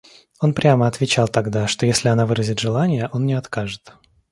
Он прямо отвечал тогда, что если она выразит желание, он не откажет.